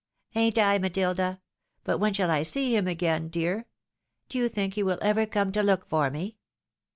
"Ain't I, MatUda? But when shall I see him again, dear ? Do you think he will ever come to look for me?